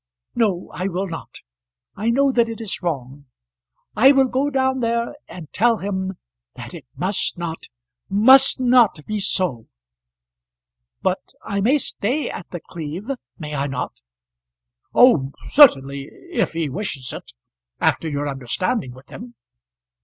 "No, I will not. I know that it is wrong. I will go down there, and tell him that it must not must not be so. But I may stay at The Cleeve; may I not?" "Oh, certainly if he wishes it, after your understanding with him."